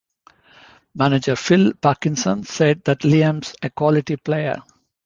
Manager Phil Parkinson said that Liam's a quality player.